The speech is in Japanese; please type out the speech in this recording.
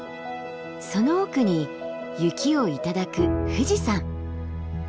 その奥に雪を頂く富士山。